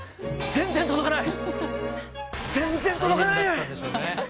全然届かない！